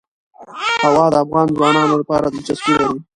هوا د افغان ځوانانو لپاره دلچسپي لري.